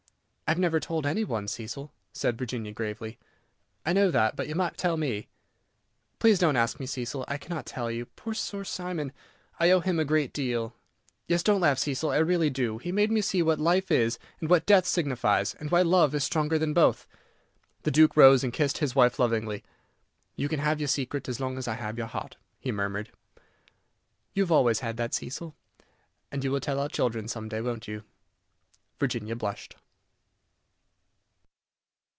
"I have never told any one, Cecil," said Virginia, gravely. "I know that, but you might tell me." "Please don't ask me, Cecil, I cannot tell you. Poor Sir Simon! I owe him a great deal. Yes, don't laugh, Cecil, I really do. He made me see what Life is, and what Death signifies, and why Love is stronger than both." The Duke rose and kissed his wife lovingly. "You can have your secret as long as I have your heart," he murmured. "You have always had that, Cecil." "And you will tell our children some day, won't you?" Virginia blushed.